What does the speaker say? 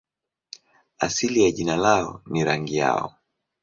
Asili ya jina lao ni rangi yao.